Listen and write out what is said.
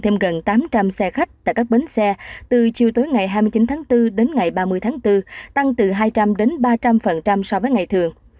thêm gần tám trăm linh xe khách tại các bến xe từ chiều tối ngày hai mươi chín tháng bốn đến ngày ba mươi tháng bốn tăng từ hai trăm linh đến ba trăm linh so với ngày thường